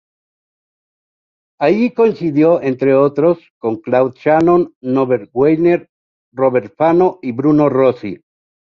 Allí coincidió, entre otros, con Claude Shannon, Norbert Wiener, Robert Fano y Bruno Rossi.